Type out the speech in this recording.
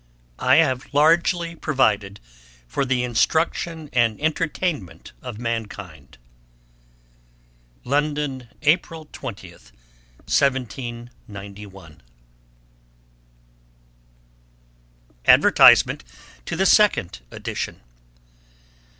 I have largely provided for the instruction and entertainment of mankind. London, April 20, 1791. ADVERTISMENT TO THE SECOND EDITION.